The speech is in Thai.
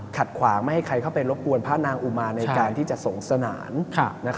ขัดขวางไม่ให้ใครเข้าไปรบกวนพระนางอุมาในการที่จะสงสนาน